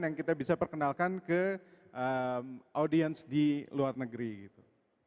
yang kita bisa perkenalkan ke audiens di luar negeri gitu